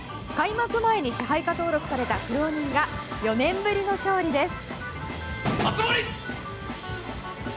開幕前に支配下登録された苦労人が４年ぶりの勝利です。